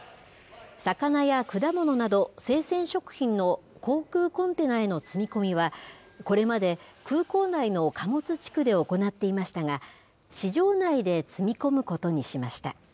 魚や果物など生鮮食品の航空コンテナへの積み込みは、これまで空港内の貨物地区で行っていましたが、市場内で積み込むことにしました。